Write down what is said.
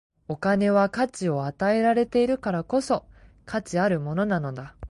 お金は価値を与えられているからこそ、価値あるものなのだ。